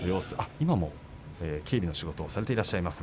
今も警備の仕事をされていらっしゃいます。